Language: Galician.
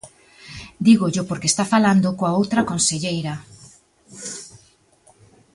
Dígollo porque está falando coa outra conselleira.